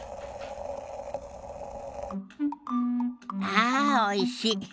ああおいし。